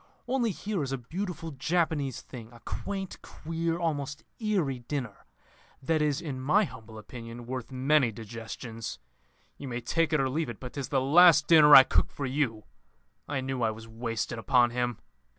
Only here is a beautiful Japanese thing, a quaint, queer, almost eerie dinner, that is in my humble opinion worth many digestions. You may take it or leave it, but 'tis the last dinner I cook for you.' ... I knew I was wasted upon him.